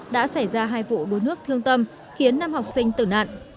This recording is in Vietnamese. đã xảy ra hai vụ đuối nước thương tâm khiến năm học sinh tử nạn